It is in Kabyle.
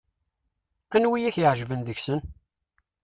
Anwa i ak-iɛeǧben deg-sen?